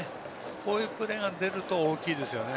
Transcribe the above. そういうプレーが出ると大きいですね。